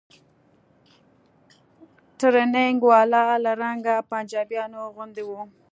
ټرېننگ والا له رنګه پنجابيانو غوندې و.